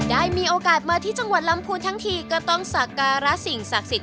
ได้มีโอกาสมาที่จังหวัดลำพูนทั้งทีก็ต้องสักการะสิ่งศักดิ์สิทธ